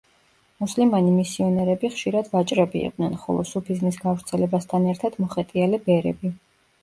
მუსლიმანი მისიონერები ხშირად ვაჭრები იყვნენ, ხოლო სუფიზმის გავრცელებასთან ერთად მოხეტიალე ბერები.